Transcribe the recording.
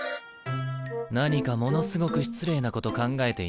何かものすごく失礼なこと考えていないか？